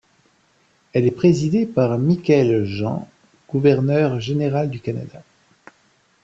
Elle est présidée par Michaëlle Jean, gouverneure générale du Canada.